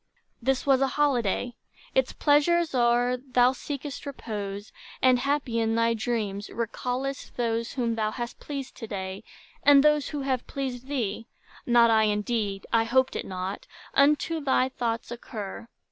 This was a holiday; its pleasures o'er, Thou seek'st repose; and happy in thy dreams Recallest those whom thou hast pleased to day, And those who have pleased thee: not I, indeed,— I hoped it not,—unto thy thoughts occur.